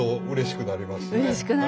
うれしくなります